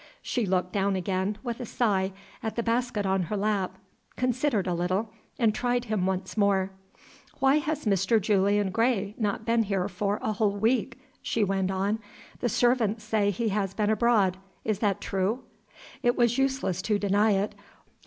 She looked down again, with a sigh, at the basket on her lap considered a little and tried him once more. "Why has Mr. Julian Gray not been here for a whole week?" she went on. "The servants say he has been abroad. Is that true?" It was useless to deny it.